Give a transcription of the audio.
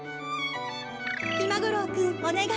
ひまごろうくんおねがい。